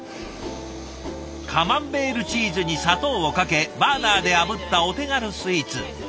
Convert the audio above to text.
カマンベールチーズに砂糖をかけバーナーであぶったお手軽スイーツ。